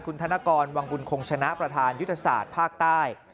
คุณธนกรวังบุญคงชนะประธานยุทธศาสตร์ภาคใต้